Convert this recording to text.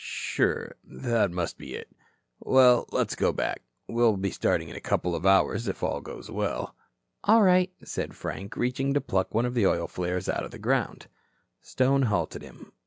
"Sure, that must be it. Well, let's go back. We'll be starting in a couple of hours, if all goes well." "All right," said Frank, reaching to pluck one of the oil flares out of the ground. Stone halted him.